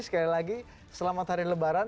sekali lagi selamat hari lebaran